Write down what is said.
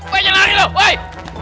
woy jangan lari woy